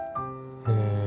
へえ。